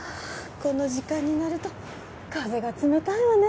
この時間になると風が冷たいわね